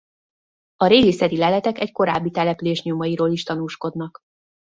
A régészeti leletek egy korábbi település nyomairól is tanúskodnak.